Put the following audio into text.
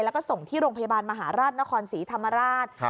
แล้วก็ส่งที่โรงพยาบาลมหาราชนครศรีธรรมราช